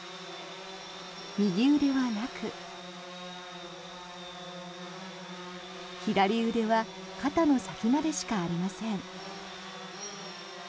右腕はなく、左腕は肩の先までしかありません。